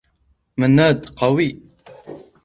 منّاد قوي.